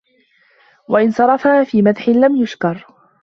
وَإِنْ صَرَفَهَا فِي مَدْحٍ لَمْ يُشْكَرْ